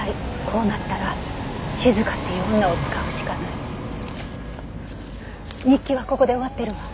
「こうなったら静香っていう女を使うしかない」日記はここで終わってるわ。